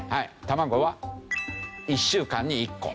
卵は１週間に１個。